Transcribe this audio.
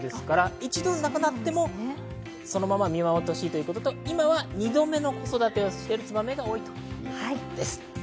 一度なくなってもそのまま見守ってほしいということと、今は２度目の子育てをしているツバメが多いということです。